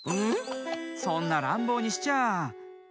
そんならんぼうにしちゃ。